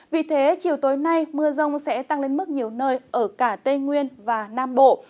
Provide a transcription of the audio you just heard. vì thế chiều tối nay mưa rông sẽ tăng lên mức nhiều nơi ở cả tây nguyên và nam bộ